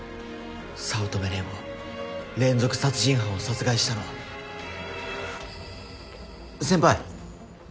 早乙女蓮を連続殺人犯を殺害したの先輩。